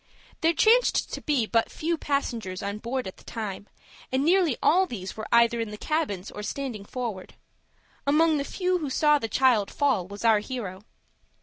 There chanced to be but few passengers on board at the time, and nearly all these were either in the cabins or standing forward. Among the few who saw the child fall was our hero.